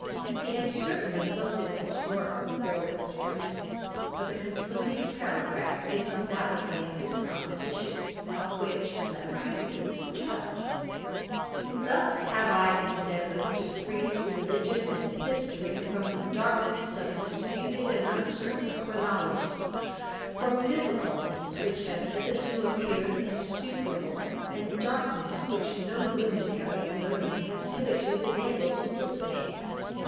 He had certainly looked at this work before it was printed; for the concluding paragraph is undoubtedly of his composition, of which let my readers judge: 'Thus have I endeavoured to free Religion and History from the darkness of a disputed and uncertain chronology; from difficulties which have hitherto appeared insuperable, and darkness which no luminary of learning has hitherto been able to dissipate.